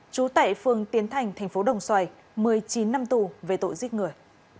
trú tại phường tiến thành tp đồng xoài một mươi chín năm tù về tội giết người